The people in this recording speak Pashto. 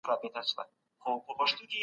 ولي د مذهب ازادي لومړیتوب لري؟